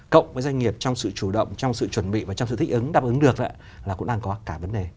cộng với doanh nghiệp trong sự chủ động trong sự chuẩn bị và trong sự thích ứng đáp ứng được là cũng đang có cả vấn đề